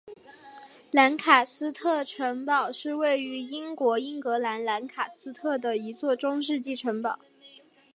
兰卡斯特城堡是位于英国英格兰兰卡斯特的一座中世纪城堡。